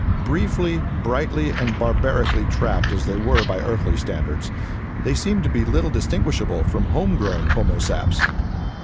Briefly, brightly and barbarically trapped as they were by earthly standards, they seemed to be little distinguishable from homegrown homo saps.